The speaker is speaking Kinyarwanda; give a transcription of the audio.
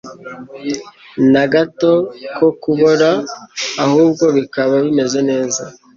na gato ko kubora, ahubwo bikaba bimeze neza,